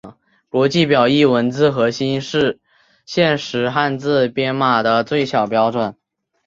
国际表意文字核心是现时汉字编码的最小标准。